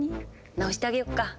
治してあげよっか。